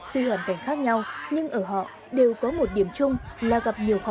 tuy hoàn cảnh khác nhau nhưng ở họ đều có một điểm chung là gặp nhiều khó khăn